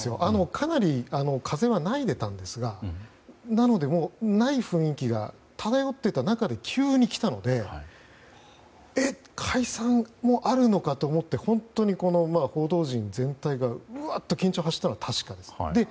かなり風はあったんですがなので、ない雰囲気が漂っていた中で急に来たのでえっ、解散もあるのかと思って本当に報道陣全体が緊張が走ったのは確かです。